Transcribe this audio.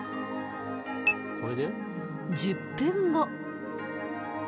１０分後。